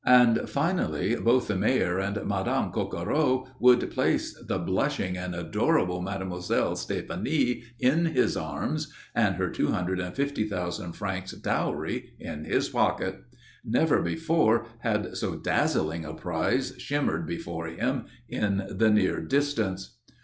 And finally, both the Mayor and Madame Coquereau would place the blushing and adorable Mademoiselle Stéphanie in his arms and her two hundred and fifty thousand francs dowry in his pocket. Never before had so dazzling a prize shimmered before him in the near distance.